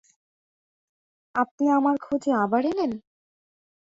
আপনি আমার খোঁজে আবার এলেন?